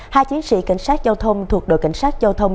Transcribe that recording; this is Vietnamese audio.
hai chiến sĩ cảnh sát giao thông thuộc đội cảnh sát giao thông